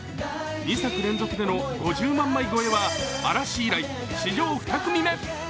２作連続での５０万枚超えは嵐以来、史上２組目。